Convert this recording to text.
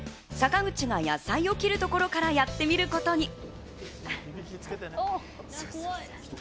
坂口が野菜を切るところからやってみることに。